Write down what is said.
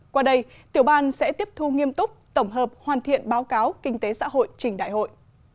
qua đây tiểu ban sẽ tiếp thu nghiêm túc tổng hợp hoàn thiện báo cáo kinh tế xã hội trình đại hội